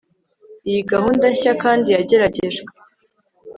iyi gahunda nshya kandi yageragejwe